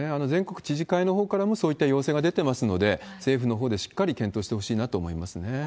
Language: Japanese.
全国知事会のほうからもそういった要請が出てますので、政府のほうでしっかり検討してほしいなと思いますね。